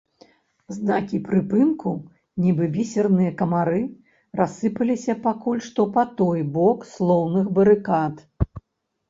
Знакі прыпынку, нібы бісерныя камары, рассыпаліся пакуль што па той бок слоўных барыкад.